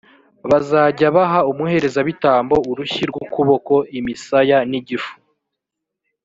bazajya baha umuherezabitambo urushyi rw’ukuboko, imisaya n’igifu.